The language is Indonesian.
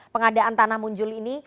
pengadaan tanah munjul ini